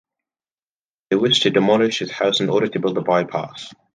They wish to demolish his house in order to build a bypass.